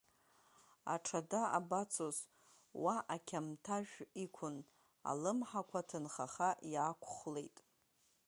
Аҽада абацоз, уа ақьамҭажә иқәын алымҳақәа аҭынхаха, иаақәхәлеит.